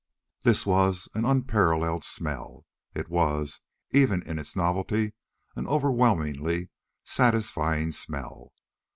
This was an unparalleled smell. It was, even in its novelty, an overwhelmingly satisfying smell.